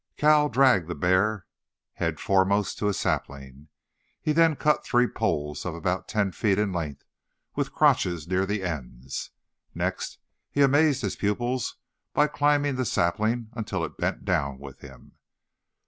Cale dragged the bear head foremost to a sapling. He then out three poles of about ten feet in length, with crotches near the ends. Next he amazed his pupils by climbing the sapling until it bent down with him.